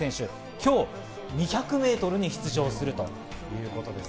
今日、２００ｍに出場するということです。